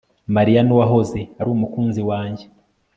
Mariya nuwahoze ari umukunzi wanjye